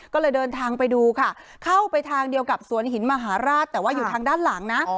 ก็เลยเดินทางไปดูค่ะเข้าไปทางเดียวกับสวนหินมหาราชแต่ว่าอยู่ทางด้านหลังนะ